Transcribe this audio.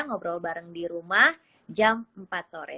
ngobrol bareng di rumah jam empat sore